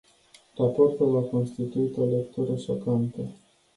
Raportul a constituit o lectură șocantă.